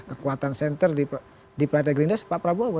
kekuatan senter di partai gerindra pak prabowo